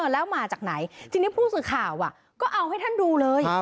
แล้วมาจากไหนทีนี้ผู้สื่อข่าวก็เอาให้ท่านดูเลย